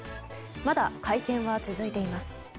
まだ会見は続いています。